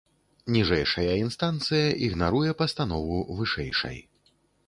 Ніжэйшая інстанцыя ігнаруе пастанову вышэйшай.